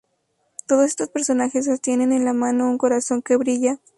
Todos estos personajes sostienen en la mano un corazón que brilla.